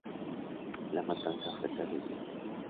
La matanza fue terrible.